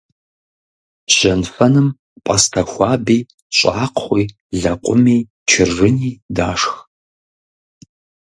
Жьэнфэным пӀастэ хуаби, щӀакхъуи, лэкъуми, чыржыни дашх.